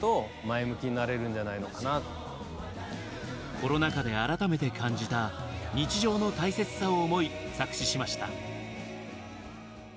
コロナ禍で改めて感じた日常の大切さを思い作詞しました。